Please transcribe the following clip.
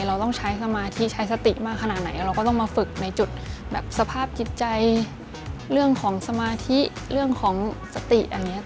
เราต้องใช้สมาธิใช้สติมากขนาดไหนเราก็ต้องมาฝึกในจุดแบบสภาพจิตใจเรื่องของสมาธิเรื่องของสติอย่างนี้